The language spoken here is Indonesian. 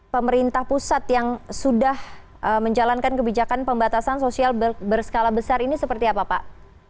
pemerintah pusat yang sudah menjalankan kebijakan pembatasan sosial berskala besar ini seperti apa pak